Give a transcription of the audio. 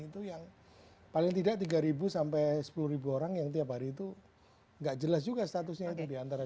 itu yang paling tidak tiga ribu sampai sepuluh orang yang tiap hari itu enggak jelas juga statusnya itu diantara